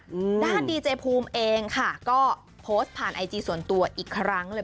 อืมด้านดีเจภูมิเองค่ะก็โพสต์ผ่านไอจีส่วนตัวอีกครั้งเลย